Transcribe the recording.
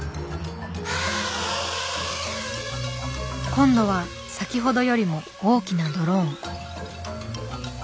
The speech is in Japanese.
今度は先ほどよりも大きなドローン。